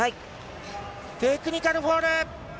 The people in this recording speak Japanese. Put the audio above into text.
テクニカルフォール。